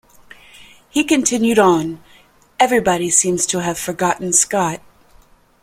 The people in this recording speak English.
He continued on, Everybody seems to have forgotten Scott.